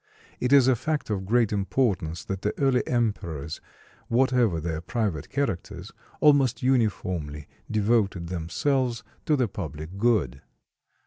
It is a fact of great importance that the early emperors, whatever their private characters, almost uniformly devoted themselves to the public good.